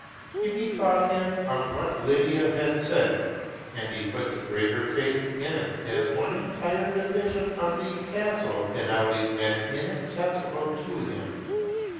He bethought him of what Lydia had said ; and he put the greater faith in it, as one entire division of the castle had always been inaccessible to him.